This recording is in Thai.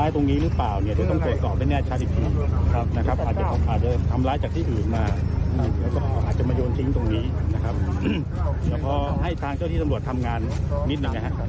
ที่ทางเจ้าที่สำรวจทำงานนิดนึงนะครับ